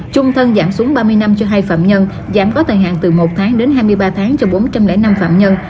trung thân giảm xuống ba mươi năm cho hai phạm nhân giảm có thời hạn từ một tháng đến hai mươi ba tháng cho bốn trăm linh năm phạm nhân